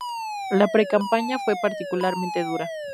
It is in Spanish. La precampaña fue particularmente dura.